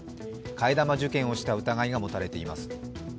替え玉受検をした疑いが持たれています。